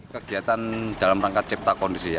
kegiatan dalam rangka cipta kondisi